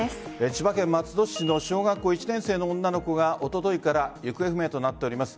千葉県松戸市の小学校１年生の女の子がおとといから行方不明となっております。